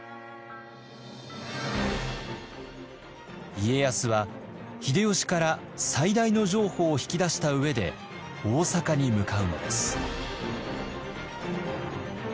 家康は秀吉から最大の譲歩を引き出した上で大坂に向かうのです。